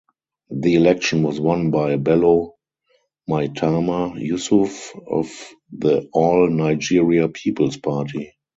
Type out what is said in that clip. The election was won by Bello Maitama Yusuf of the All Nigeria Peoples Party.